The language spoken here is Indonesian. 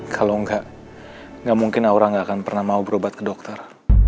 kalau enggak gak mungkin aura gak akan pernah mau berobat ke dokter